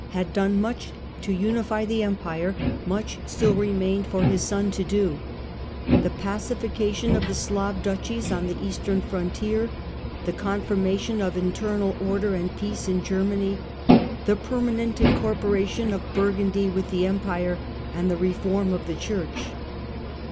had done much to unify the TRANSFERENCE FROM SAXONS TO SALIANS 33 Empire, much still remained for his son to do :— the pacification of the Slav duchies on the eastern frontier, the confirmation of internal order and peace in Germany, the permanent incorporation of Burgundy with the Empire, and the reform of the Church.